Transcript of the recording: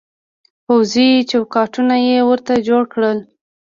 پوځي چوکاټونه يې ورته جوړ کړل.